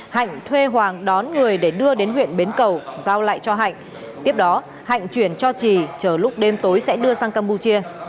hạnh thuê hoàng đón người để đưa đến huyện bến cầu giao lại cho hạnh tiếp đó hạnh chuyển cho trì chờ lúc đêm tối sẽ đưa sang campuchia